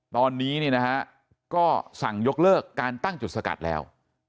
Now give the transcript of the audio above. ตอนนี้เนี่ยนะฮะก็สั่งยกเลิกการตั้งจุดสกัดแล้ว